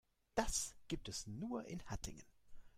Das gibt es nur in Hattingen